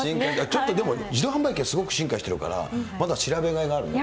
ちょっとでも、自動販売機がすごく進化しているから、まだ調べがいがあるね。